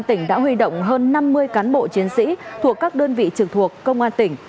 tỉnh đã huy động hơn năm mươi cán bộ chiến sĩ thuộc các đơn vị trực thuộc công an tỉnh